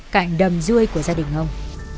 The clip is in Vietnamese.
cạnh đầm rươi của gia đình ông